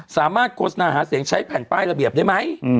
โฆษณาหาเสียงใช้แผ่นป้ายระเบียบได้ไหม